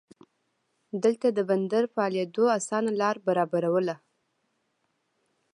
دلته د بندر فعالېدو اسانه لار برابرواله.